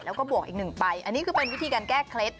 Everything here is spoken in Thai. แล้วก็บวกอีกหนึ่งใบอันนี้คือเป็นวิธีการแก้เคล็ด